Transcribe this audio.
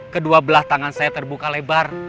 kedua belah tangan saya terbuka lebar